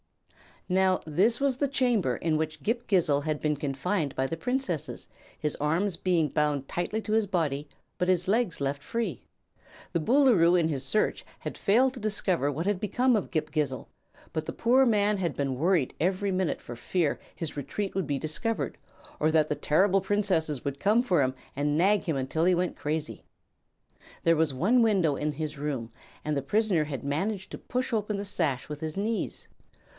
Now, this was the chamber in which Ghip Ghisizzle had been confined by the Princesses, his arms being bound tight to his body but his legs left free. The Boolooroo in his search had failed to discover what had become of Ghip Ghisizzle, but the poor man had been worried every minute for fear his retreat would be discovered or that the terrible Princesses would come for him and nag him until he went crazy. There was one window in his room and the prisoner had managed to push open the sash with his knees.